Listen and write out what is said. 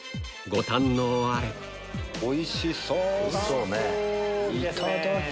ご堪能あれおいしそうだぞ！